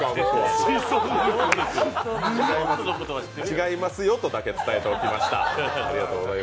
違いますよとだけ伝えておきました。